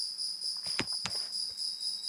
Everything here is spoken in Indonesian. Ambil barang-barangmu.